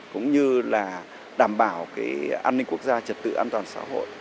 cũng như là đảm bảo cái an ninh quốc gia trật tự an toàn xã hội